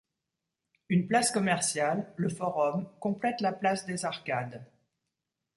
Une place commerciale, le Forum, complète la place des Arcades.